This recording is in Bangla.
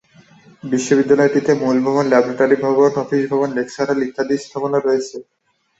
বিশ্ববিদ্যালয়টিতে মূল ভবন, ল্যাবরেটরি ভবন, অফিস ভবন, লেকচার হল ইত্যাদি স্থাপনা রয়েছে।